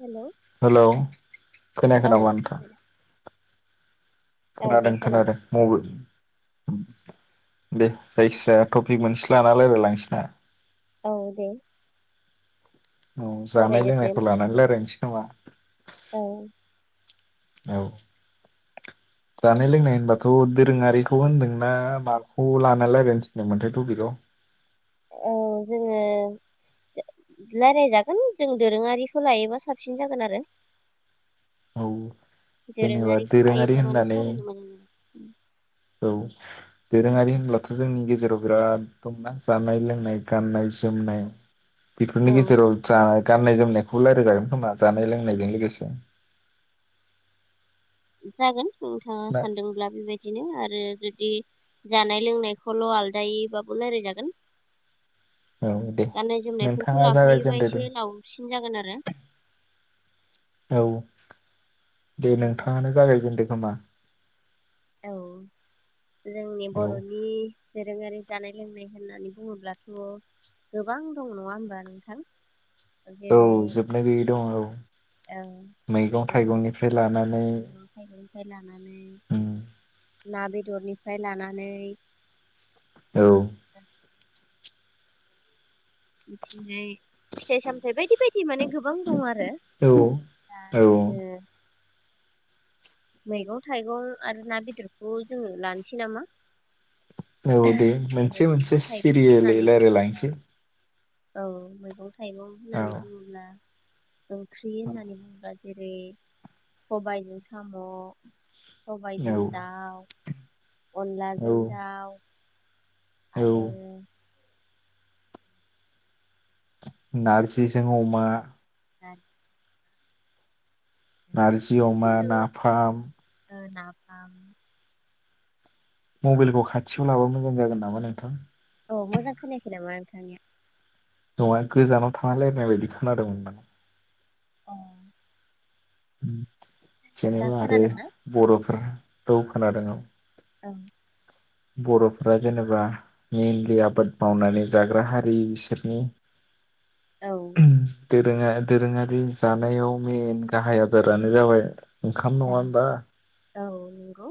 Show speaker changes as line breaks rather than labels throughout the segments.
Hello
hello खोनायाखै
औ
नामा नोंथां?
औ दे
खोनादों खोनादों
खोनाबाय
[unintelligible] दे जायखिजाया टपिक मोनसे लाना रायलायलांसै ना?
औ दे।
औ जानाय
सावरायग्रोदो
लोंनायखौ लानानै
माखौ
लायरायनोसै नामा?
औ
औ जानाय लोंनाय होनबाथ' दोरोङारिखौ होनदोंना माखौ लाना लायरायनो थिनदों मोनथाय टपिकआव।
औ जोङो लायरायजागोन जों दोरोङारिखौ लायोबा साबसिन जागोन आरो।
औ जेनेबा
दोरोङारिखौ
दोरोङारि
लायोबा माने
होननानै
सावरायनो मोजां जागोन
औ दोरोङारि होनब्लाथ' जोंनि गेजेराव बिराद दंना जानाय लोंनाय, गाननाय जोमनाय
औ
बेफोरनि गेजेराव जा गाननाय जोमनायखौ लायरायजागोन खोमा जानाय लोंनायजों लोगोसे।
जागोन। नोंथाङा
ना
सानदोंब्ला बेबायदिनो आरो जुद दि जानाय लोंनायखौल' आलदायैबाबो लायरायजागोन।
औ दे
गाननाय जोमनायफोरखौ
नोंथाङा
लाफायोबा
जागायजेनदो दे
एसे लावसिन जागोन आरो।
औ दे नोंथाङानो जागायजेनदो। समा
औ जोंनि
औ
बर'नि दोरोङारि जानाय लोंनाय होननानै बुङोब्लाथ गोबां दं नङा हनबा नोंथां?
औ
जेरै
जोबनो गैयै दं औ मैगं थाइगंनिफ्राय लानानै
उम मैगं निफ्राय लानानै
उम
ना बेदरनिफ्राय लानानै
औ
बिदिनो फिथाइ सामथाय बायदि बायदि माने गोबां दं आरो।
औ
आरो
औ
दा जोङो मैगं थाइगं आरो ना बेदरखौ जोङो लानोसै नामा
औ दे
जेरै
मोनसे
मैगं
मोनसे
थाइगं
सिरियलयै
होननानै
रायलायलांसै।
औ मैगं थाइगं
औ
होननानै बुङोब्ला ओंख्रि होननानै बुङोबा जो जेरै सबायजों सा साम
औ
सबायजों दाउ
औ
अनलाजों दाउ
औ
आरो
नारजिजोंं अमा
नारजि माने
नारजि अमा नाफाम
फाम
मबाइलखौ खाथियाव लाबा मोजां जागोन नामा नोंथां।
औ मोजां खोनायाखै नामा नोंथांनिया
नङा गोजानाव थाना रायलायनाय बायदि खोनादोंमोनां
अ
उम
दा
जेनेबा आरो
खोनादोंना?
बर'फोरा औ खोनादों औ
औ
बर'फोरा जेनेबा मेइनलि आबाद मावनानै जाग्रा हारि बिसोरनि दोरोङा दोरोङारि जानायाव मेन गाहाय आदारानो जाबाय ओंखाम नङा
औ
होमबा
नंगौ।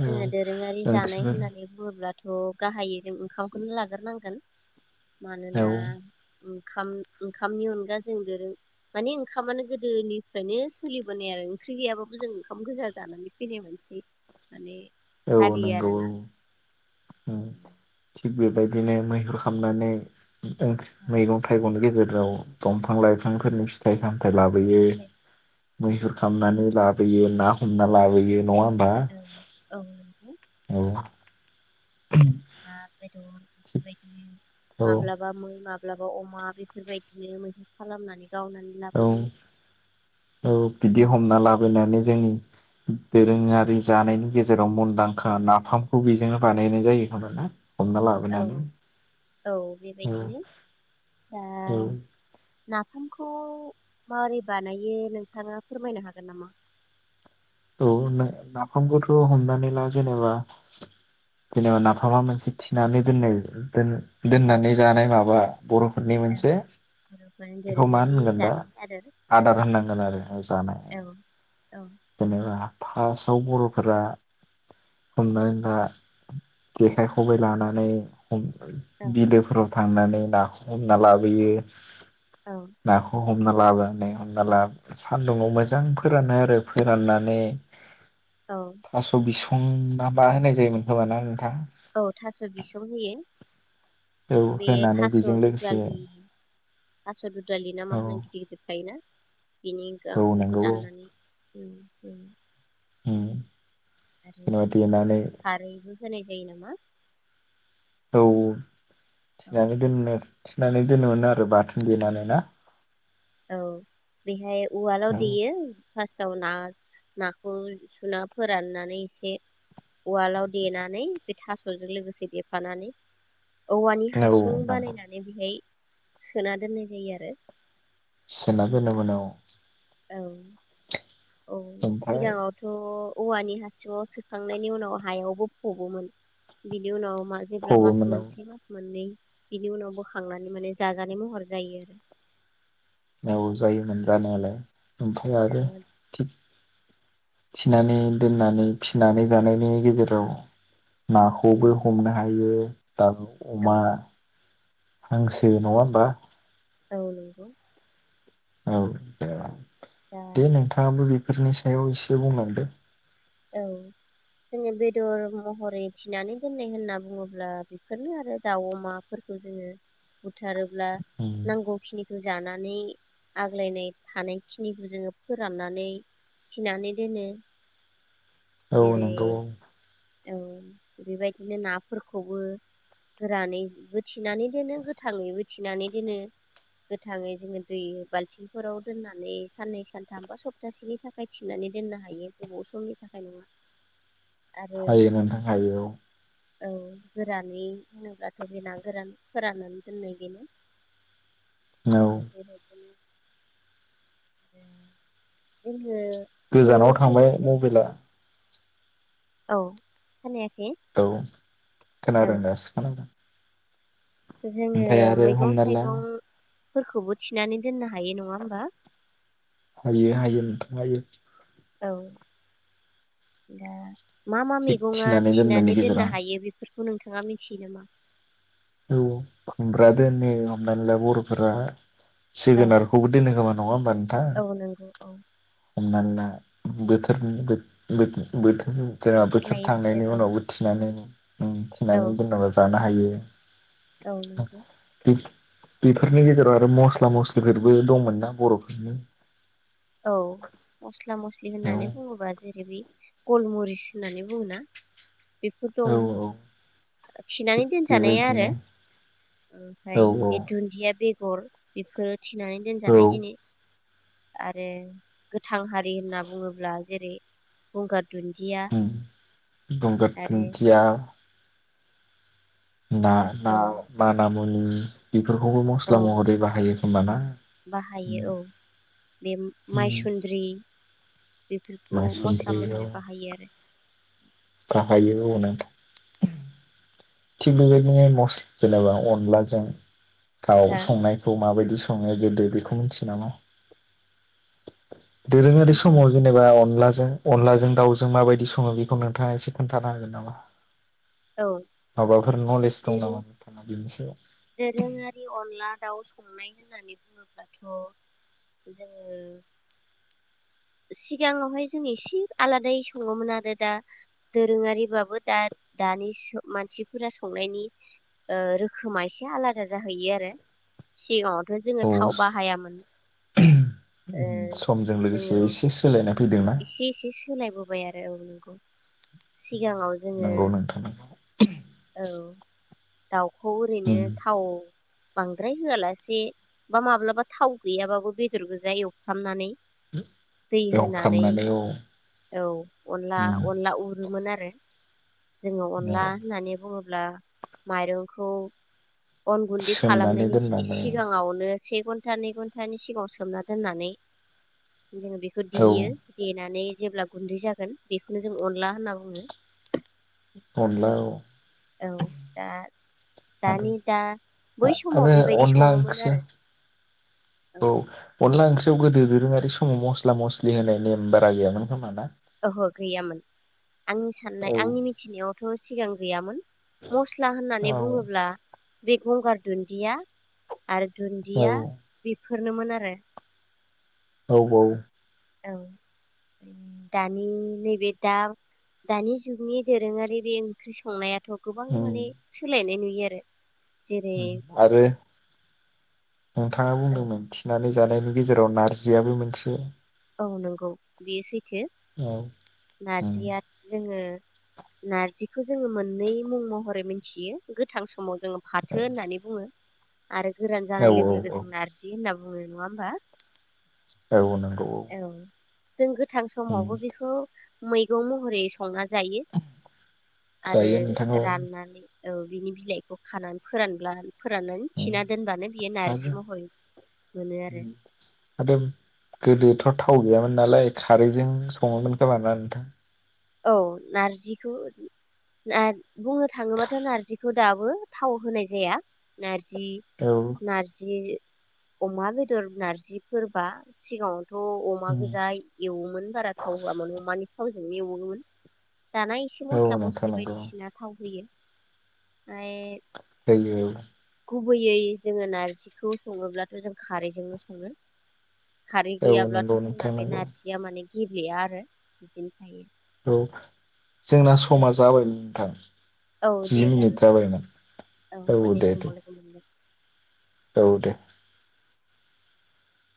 औ
जोङो दोरोङारि जानाय
ओंख्रिफोर
होननानै बुङोब्ला थ' गाहायै जों ओंखामखौनो लाग्रोनांगोन। मानोना
औ
ओ ओंखाम ओंखामनि अनगा जों देरो माने ओंखामानो गोदोनिफ्रायनो सोलिबोनाय आरो ओंख्रि गैया जों ओंखाम गोजा जानानै फैनाय मानसि माने
औ
हारि
नोंगौ औ।
आरोना
उम। थिग बेबायदिनो मैहुर खालामनानै मैगं थाइगंनि गेजेर गाव दंफां लाइफांफोरनि फिथाइ सामथाय लाबोयो
औ
मैहुर खालामनानै लाबो लाबोयो ना हमना लाबोयो नङा होमबा।
औ औ नंगौ
औ।
ना बेदर
थिग
बायदि
औ
माब्लाबा मै माब ब्लाबा अमा बेफोरबायदिनो मैहुर खालामनानै गावनानै
औ
लाबोयो।
औ बिदि हमना लाबोनानै जोंनि दोरोङारि जानायनि गेजेराव मुंदांखा नाफामखौ बेजोंनो बानायनाय जायो होमबा ना। हमना
औ
लाबोनानै
औ
औ
बेबायदिनो दा ना
औ
नाफामखौ माबोरै बानायो नोंथाङा फोरमायनो हागोन नामा?
औ नाफामखौथ' हमनानै ला जेनेबा जेनेबा नाफामा मोनसे थिनानै दोननाय दोननानै जानाय माबा
ओं
बर'फोरनि
ओं
मोनसे
बर'फोरनि
बेखौ मा
दोरोङारि
होनगोन दा
जानाय आदार
आदार होननांगोन आरो जानाय
औ औ
फार्स्टआव बर'फोरा हमनानैला जेखाय खबाय लानानै
औ
बिलोफोराव थांनानै नाखौ हमना लाबोयो।
औ
नाखौ हमना लाबोनानै हमना ला सान्दुंआव मोजां फोरानो आरो। फोराननानै
औ
थास‌' बिसु [unintelligible] माबा होनाय जायोमोन खोमाना नोंथां।
औ थास'बिसं होयो।
औ
बे
होनानै बेजों लोगोसे
थासदुदालि थासदुुदालिना
औ
माहोनो गिदिर गिदिर थायोना। बिनि
औ नंगौ
गांखखो दाननानै होयो औ।
ओम
आरो खारैबो होनायजायोनामा।
औ औ। थिनानै दोननोर। थिनानै दोननोमोनोआरो बाथोनदेनानै ना।
औ बेहाय
औ
उवालावदेयो। फासआव ना नाखौ सुना फोराननानै एसे उवालाव देनानै बेथासजों लोगोसे देफानानै।
औ
औवानिहासुं
नंगौ
बानायनानै बेहाय। सोनादोननाय जायोआरो।
[unintelligible]
औ। औ
ओमफ्राय
सिगाङावथ' औवानि हसिङाव सोखांनायनिउनाव हायावबो फबमोन बिनिउनाव मा जेब्ला
फबोमोन औ
मासमोनसे मासमोननै। बिनिउनाव बोखांनानै माने जाजानायमहर जायोआरो।
औ जायोमोन जानायालाय। ओमफायआरो थिग। थिनानै दोननानै फिनानै बानायनायनि गेजेराव। नाखौबो हमनोहायो। दाउ
औ
अमा। हांसो नङाहोमबा।
औ नंगौ।
औ
दा
दे नोंथाङाबो बेफोरनिसायाव एसेबुंलांदो।
औ जोङो बेदर महरै थिनानै दोननायहोनना बुङोब्ला बेफोरनोआरो दाउ अमाफोरखौजोङो बुद बुथारोब्ला
उम
नांगौखिनि जानानै आग्लायनाय थानायखिनिखोजोङो फोराननानै थिनानैदोनो।
औ नोंगौ औ।
औ बेबायदिनो नाफोरखौबो गोरानैबो थिनानैदोनो गोथाङैबो थिनानैदोनो गोथाङैजोङो दै बाल्थिंफोराव दोननानै साननै सानथाम बा सप्तासेनिथाखाय थिनानै दोननोहायो गोबाव समनिथाखायनङा।
हायो नोंथां हायो औ
औ गोरानै होनोब्लाथ बे नागोरान फोराननानैदोननाय बेनो।
औ
बेबायदि। जोङो
गोजानाव
मैगं
थांबाय मबाइला
थाइगंफोरखौबो औ खोनायाखै
औ
औ
खोनादों दासो खोनादों।
जोङो
ओमफ्राय आरो
मैगं
हमना ला
थाइगं फोरखौबो थिनानै दोनना हा
हायो हायो नोथां। हायो।
औ दा मा मा
थिग
मैगङा
दोननायनि
थिनानै दोननो
गेजेराव
हायो बेफोरखौ बे नोंथाङा मिथियो नामा?
औ खुमब्रा दोनो हमनानै ला बर'फोरा
औ
जोगोनारखौबो दोनो खोमा नङा होमबा नोंथां
औ नंगौ औ
हमनानै ला बोथोरनि बोथोर जेनेबा बोथोर थांनायनि उनावबो थिनानै
औ
थिनानै दोननाबो जानो हायो।
औ नंगौ।
बेफोरनि गेजेराव आरो मस्ला मस्लिफोरबो दंमोनना बर'फोरनि?
औ मस्ला मस्लि
औ
होननानै बुङोबा जेरै बे गलमरिस होननानै बुङोना? बेफोर
औ
दं
औ थिग
थिनानै दोनजानाया आरो
बेबायदिनो औ
ओमफ्राय
औ
बे दुन्दिया बेगर रहर बेफोर थिनानै
औ
दोनजानाय जिनि आरो गोथां हारि होनना बुङोब्ला जेरै गंगार दुन्दिया
गंगार
आरो
दुन्दिया ना ना
औ
मा नाम? मनि बेफोरखौबो
औ
मस्ला महरै बाहायोखोमा ना?
बाहायो औ बे माइसुन्द्रि बेफोरखौ मस्ला
माइसुन्द्रियाव
महरै बाहायो आरो
बाहायो औ नोंथां। थिग बेबायदिनो मस्ला जेनेबा अनलाजों थाव
हो
संनायखौ माबायदि संनाया गोदो बेखौ मिथियो नामा? दोरोङारि
खनसेबो
समाव जेनेबा अनला अनलाजों दावउजों माबायदि सङो बेखौ नोंथाङा एसे खोन्थानो हागोन नामा?
औ।
माबाफोर नलेज दं
दोरों
नामा नोंथाङा बेनि सायाव
दोरोङारि अनला दाउ संनाय होननानै बुङोब्लाथ' जोङो सिगाङावहाय जों एसे आलादायै सङोमोन आरो दा दोरोङारिबाबो दा दानि मानसिफोरा संनायनि ओ रोखोमा एसे आलादा जाहैयो आरो सिगाङाव जोङो
औ
थाव बाहायामोन ओ
समजों लोगोसे
जोङो
एसे सोलायनाय फैदोंना
एसे एसे सोलायबोबाय आरो। औ नंगौ। सिगाङाव जोङो
नंगौ नोंथां
औ दाउ खौ ओरैनो
उम
थाव बांद्राय होआलासे बा माब्लाबा थाव गैयाबाबो बेदर गोजा एवफ्रामनानै
एवफ्रा
नानै अनला
उम
अनला उरोमोन आरो जोङो अनला
औ
होननानै बुङो ब्ला माइरंखौ अन गुन्दै
सोमनानै
खालामनायनि एसे
दोननानै
सिगाङावनो से घन्टा नै घन्टानि सिगाङाव सोमना दोननानै जोङो बेखौ
औ
देयो देनानै जेब्ला गुन्दै जागोन बेखौनो जों अनला होनना बुङो।
अनला औ।
औ दा
आरो
दानि दा बै समाव बेबायदि
अनला
सङोमोन
ओंख्रिया
आरो औ
अनला ओंख्रियाव गोदो दोरोङारि समाव मसला मसलि होनाय नेम बारा गैयामोन खोमा ना?
ओहो गैयामोन आंनि
औ
साननाय आंनि मिथिनायावथ' सिगां गैयामोन। मसला होननानै
औ
बुङोब्ला बे गंगार दुन्दिया आरो दुन्दिया
औ
बे फोरनोमोन आरो।
औ औ।
औ दानि नैबे दा दानि जुगनि दोरोङारि बे ओंख्रि संनाया गोबां
उम
माने सोलायनाय नुयो। आरो जेरै
आरो नोंथाङा
औ
बुंदोंमोन थिनानै जानायनि गेजेराव नारजियाबो मोनसे
औ नंगौ बेयो सै थो
औ उम
नारजिया जोङो नारजिखौ जोङो मोननै मुं महरै मोनथियो गोथां समाव जोङो फाथो होननानै बुङो। आरो गोरान जानाय
औ
लोगो
औ
लोगो जों नार्जि होनना बुङो नङा होनबा
औ औ नंगौ औ
जों गोथां
उम
समावबो बेखौ मैगं महरै संना जायो आरो
जायो नोंथां औ
राननानै औ बिनि बिलाइखौ खानानै फोरानब्ला फोराननानै
उम
थिना दोनबानो बियो नारजि
आरो
महरै मोनो आरो
उम आरो गोदोथ' थाव गैयामोन नालाय खारैजों सङोमोन खोमाना नोंथां?
औ नारजिखौ नार बुंनो थाङोबाथ' नारजिखौ दाबो थाव होनाय जाया नार जि
औ
नारजि अमा बेदर नारजिफोरबा सिगाङाव थ' अमा
उम
गोजा एवोमोन बारा थाव होयामोन अमानि थाव एवो एवो मोन दाना एसे
औ
मस्ला
नोंथां
मस्लि
नंगौ
बायदिसिना थाव होयो ओमफ्राय
[unintelligible]
गुबैयै जोङो नार्जिखौ सङोब्लाथ' जों खारैजोंनो सङो। खारै
औ औ
गैयाब्लाथ'
नंगौ नोंथां
जोंना बे
नंगौ।
नारजिया माने गेब्लेया आरो बिदिनो थायो
औ जोंना समा जाबायमोन
औ
नोंथां जि
दे
मिनिट
जागोन
जाबायमोन औ
उननि
दे
समाव
दे
लोगो मोनगोन
औ दे